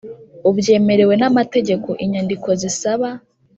ubyemerewe n amategeko Inyandiko zisaba